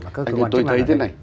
tôi thấy thế này